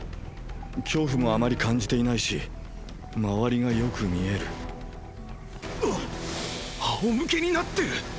恐怖もあまり感じていないし周りがよく見えるなっ⁉あおむけになってる⁉